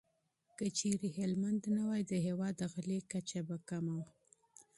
که چيرې هلمند نه وای، د هېواد د غلې کچه به کمه وه.